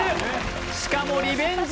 しかもリベンジ